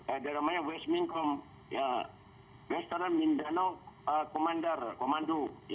ada namanya west mingkong ya western mingdana komando ya komand